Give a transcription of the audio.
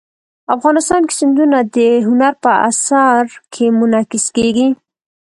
افغانستان کې سیندونه د هنر په اثار کې منعکس کېږي.